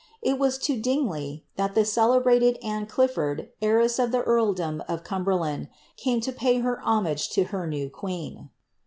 It was to Diogiey, that the celebrated Anne Clifford, heiress of the earldom of Caoiberland, came to pay her homage to her new queen.